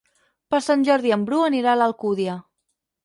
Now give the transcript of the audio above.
Per Sant Jordi en Bru anirà a l'Alcúdia.